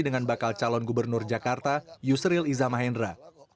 dengan bakal calon gubernur jakarta yusril izamahendra